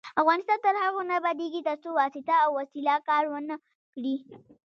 افغانستان تر هغو نه ابادیږي، ترڅو واسطه او وسیله کار ونه کړي.